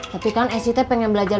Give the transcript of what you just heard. tapi kan sita pengen belajar